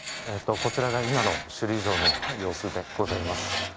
こちらが今の首里城の様子でございます